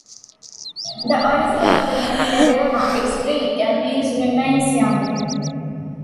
The origin of the name Edilma is Greek and means "Remains Young".